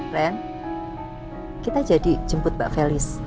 len kita jadi jemput mbak felis